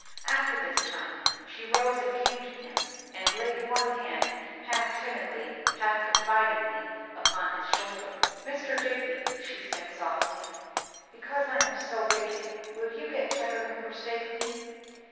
After this time, she rose and came to him and laid one hand half timidly, half confidingly, upon his shoulder. "Mr. Digby," she said softly, "because I am so wicked, will you get tired and forsake me?"